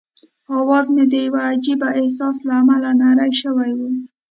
اواز مې د یوه عجيبه احساس له امله نری شوی وو.